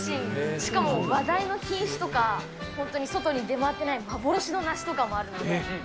しかも話題の品種とか、本当に外に出回ってない幻の梨とかもあるので。